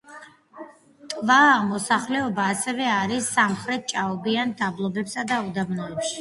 ტვა მოსახლეობა ასევე არის სამხრეთით ჭაობიან დაბლობებსა და უდაბნოში.